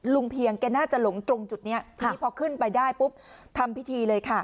เพียงแกน่าจะหลงตรงจุดนี้ทีนี้พอขึ้นไปได้ปุ๊บทำพิธีเลยค่ะ